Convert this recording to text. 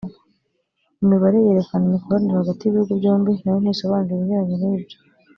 Imibare yerekana imikoranire hagati y’ibihugu byombi nayo ntisobanura ibinyuranye n’ibyo